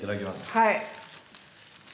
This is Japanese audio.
はい。